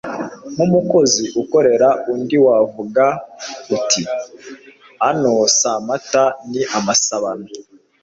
nk'umukozi ukorera undi wavuga ati «ano si amata ni amasabano»